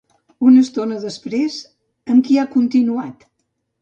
Una estona després, amb qui ha continuat?